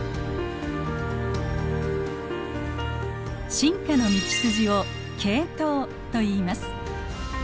進化の道筋を「系統」といいます。